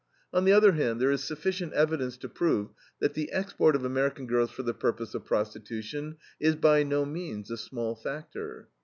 On the other hand, there is sufficient evidence to prove that the export of American girls for the purpose of prostitution is by no means a small factor.